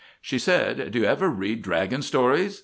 She said, 'D' you ever read dragon stories?